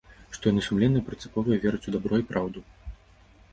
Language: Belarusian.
Што яны сумленныя, прынцыповыя, вераць у дабро і праўду.